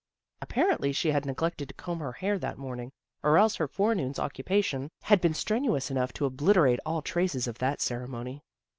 Apparently she had neglected to comb her hair that morning, or else her forenoon's occupation had been strenuous enough to obliterate all traces of that ceremony.